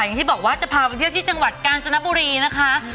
อย่างที่บอกว่าจะพาไปเที่ยวที่จังหวัดกาญจนบุรีนะคะ